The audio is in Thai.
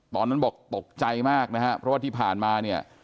ตอนนั้นบอกตกใจมากนะฮะเพราะว่าที่ผ่านมาเนี่ย